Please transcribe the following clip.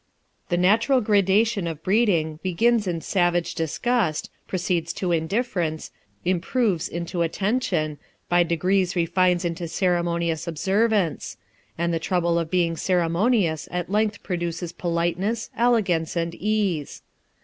The natural gradation of breed ing begins in savage disgust, proceeds to indifference, improves into attention, by degrees refines into ceremonious observance ; and the trouble of being ceremonious at length produces politeness, elegance, and ease.